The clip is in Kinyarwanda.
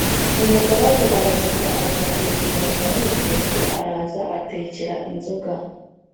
Umugaragu aragenda azana ibihunda n’urutete araza atekera inzoga.